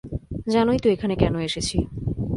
জানোই তো এখানে কেন এসেছি।